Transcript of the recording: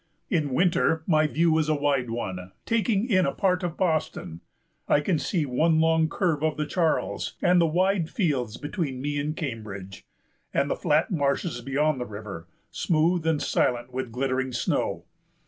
In winter my view is a wide one, taking in a part of Boston. I can see one long curve of the Charles and the wide fields between me and Cambridge, and the flat marshes beyond the river, smooth and silent with glittering snow.